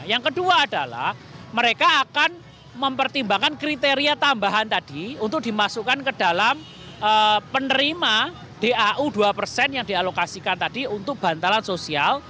yang kedua adalah mereka akan mempertimbangkan kriteria tambahan tadi untuk dimasukkan ke dalam penerima dau dua persen yang dialokasikan tadi untuk bantalan sosial